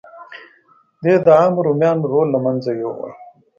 دې د عامو رومیانو رول له منځه یووړ